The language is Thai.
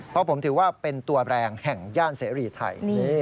เพราะผมถือว่าเป็นตัวแรงแห่งย่านเสรีไทย